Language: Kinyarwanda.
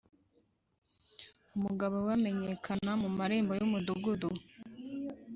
Umugabo we amenyekana mu marembo y’umudugudu